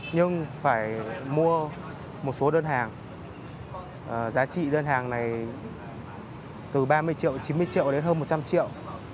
nhưng phải mua một số đơn hàng giá trị đơn hàng này từ ba mươi triệu chín mươi triệu đến hơn một trăm linh triệu